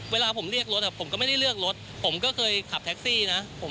เวลาผมเรียกรถผมก็ไม่ได้เลือกรถผมก็เคยขับแท็กซี่นะ